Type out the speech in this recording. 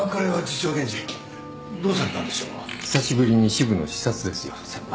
久しぶりに支部の視察ですよ先輩。